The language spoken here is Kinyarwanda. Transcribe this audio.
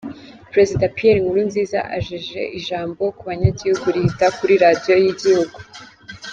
Prezida Pierre Nkurunziza ajeje ijambo ku banyagihugu rihita kuri radio y'igihugu.